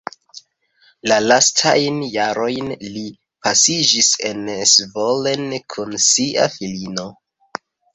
La lastajn jarojn li pasigis en Zvolen kun sia filino.